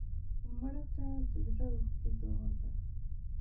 مړه ته د زړه اوښکې دعا ده